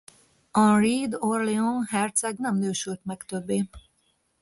Henri d’Orléans herceg nem nősült meg többé.